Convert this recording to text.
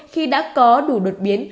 khi đã có đủ đột biến